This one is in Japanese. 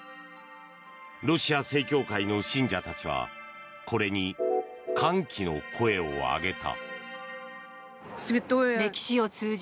ロシア正教会の信者たちはこれに歓喜の声を上げた。